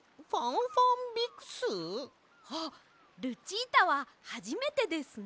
あっルチータははじめてですね！